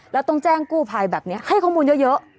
แล้วต้องแจ้งกู้ภัยแบบนี้ให้ข้อมูลเยอะ